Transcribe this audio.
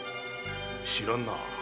知らぬな。